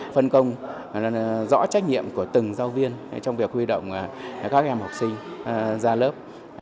phân công rõ trách nhiệm của từng giáo viên trong việc huy động các em học sinh ra lớp